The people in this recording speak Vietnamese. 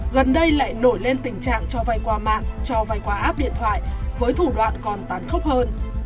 gần đây lại nổi lên tình trạng cho vay quà mạng cho vay quà app điện thoại với thủ đoạn còn tán khốc hơn